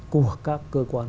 của các cơ quan